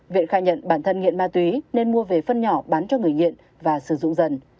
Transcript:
viện khai nhận bản thân nghiện ma túy nên mua về phân nhỏ bán cho người nghiện và sử dụng dần